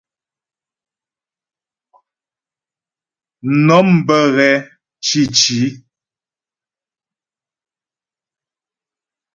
Mnɔm bə́ ghɛ̂ cǐci.